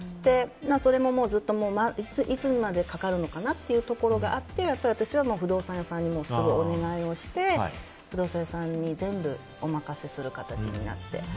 それもずっといつまでかかるのかなっていうところがあって私は不動産屋さんにすぐお願いをして不動産屋さんに全部お任せする形になって。